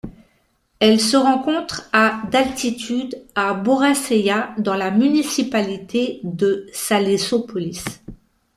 Elle se rencontre à d'altitude à Boracéia dans la municipalité de Salesópolis.